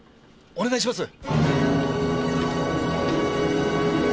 お願いします！